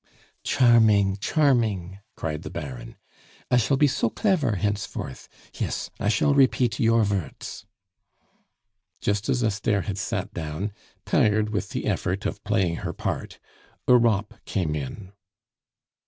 "Charming, charming!" cried the Baron. "I shall be so clever henceforth. Yes, I shall repeat your vorts." Just as Esther had sat down, tired with the effort of playing her part, Europe came in.